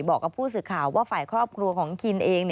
บอกกับผู้สื่อข่าวว่าฝ่ายครอบครัวของคินเอง